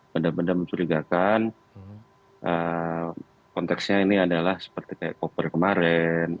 benda benda mencurigakan konteksnya ini adalah seperti koper kemarin